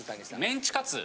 メンチカツ。